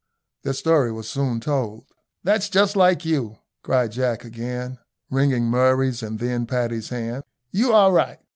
Their story was soon told. "That's just like you," cried Jack, again, wringing Murray's and then Paddy's hand. "You are right.